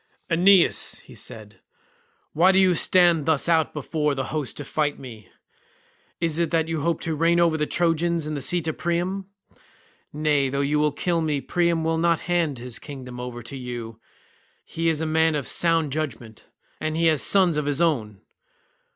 "Aeneas," said he, "why do you stand thus out before the host to fight me? Is it that you hope to reign over the Trojans in the seat of Priam? Nay, though you kill me Priam will not hand his kingdom over to you. He is a man of sound judgement, and he has sons of his own.